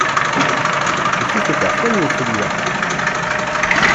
Il sait se faire soigner, celui-là !